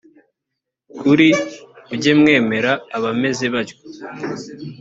kr mujye mwemera abameze batyo